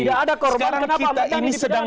tidak ada korban kenapa ahmad dhani diperdana